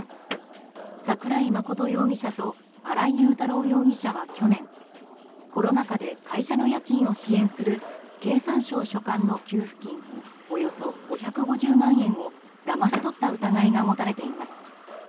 桜井真容疑者と新井雄太郎容疑者は去年、コロナ禍で会社の家賃を支援する経産省所管の給付金のおよそ５５０万円をだまし取った疑いが持たれています。